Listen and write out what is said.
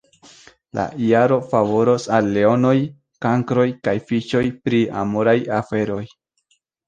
La jaro favoros al Leonoj, Kankroj kaj Fiŝoj pri amoraj aferoj.